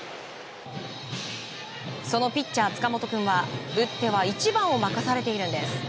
そのピッチャー、塚本君は打っては１番を任されているんです。